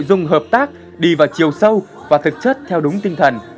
nội dung hợp tác đi vào chiều sâu và thực chất theo đúng tinh thần